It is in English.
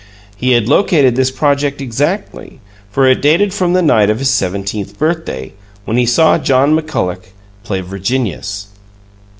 He had located this project exactly, for it dated from the night of his seventeenth birthday, when he saw John McCullough play "Virginius."